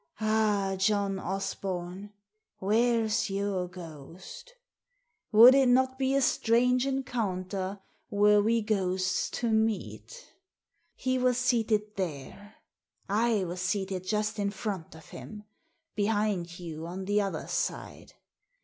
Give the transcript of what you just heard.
Ah, John Osbom, where's your ghost? Would it not be a strange encounter were we ghosts to meet? He was seated there. I was seated just in front of him, behind you on the other side.